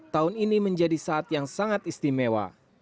tahun ini menjadi saat yang sangat istimewa